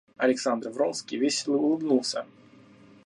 Александр Вронский весело улыбнулся.